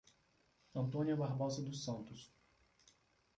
Antônia Barbosa dos Santos